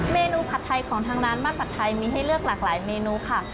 เมนูผัดไทยของทางร้านมาตรผัดไทยมีให้เลือกหลากหลายเมนูค่ะ